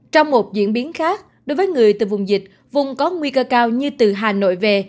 trong một diễn biến khác đối với người từ vùng dịch vùng có nguy cơ cao như từ hà nội về